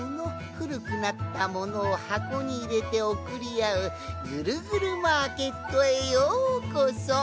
ふるくなったものをはこにいれておくりあうぐるぐるマーケットへようこそ。